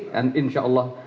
dan insya allah